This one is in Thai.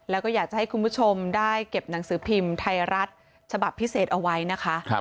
แล้วก็อยากจะให้คุณผู้ชมได้เก็บหนังสือพิมพ์ไทยรัฐฉบับพิเศษเอาไว้นะคะ